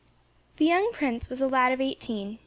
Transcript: The young prince was a lad of eighteen.